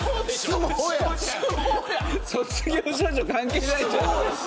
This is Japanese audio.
卒業証書、関係ないじゃん。